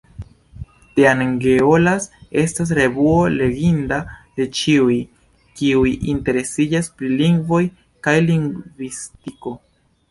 Teangeolas estas revuo leginda de ĉiuj, kiuj interesiĝas pri lingvoj kaj lingvistiko.